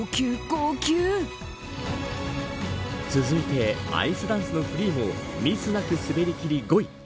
続いてアイスダンスのフリーもミスなく滑りきり５位。